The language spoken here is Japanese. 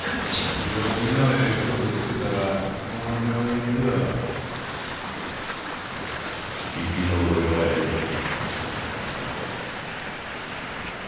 行儀のええ事してたらこの病院では生き残れまへんで。